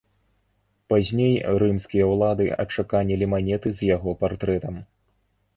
Пазней рымскія ўлады адчаканілі манеты з яго партрэтам.